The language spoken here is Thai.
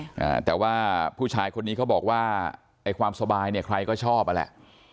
อ่าแต่ว่าผู้ชายคนนี้เขาบอกว่าไอ้ความสบายเนี่ยใครก็ชอบอ่ะแหละ